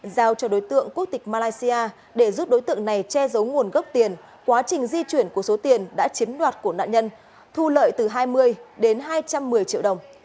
giao cho đối tượng quốc tịch malaysia để giúp đối tượng này che giấu nguồn gốc tiền quá trình di chuyển của số tiền đã chiếm đoạt của nạn nhân thu lợi từ hai mươi đến hai trăm một mươi triệu đồng